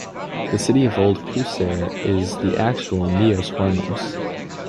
The city of old Qusair is the actual Myos Hormos.